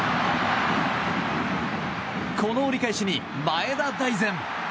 この折り返しに前田大然！